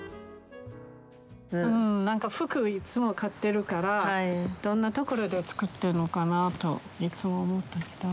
何か服いつも買ってるからどんな所で作ってるのかなといつも思ったけど。